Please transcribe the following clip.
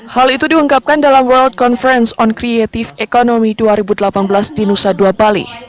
hal itu diungkapkan dalam world conference on creative economy dua ribu delapan belas di nusa dua bali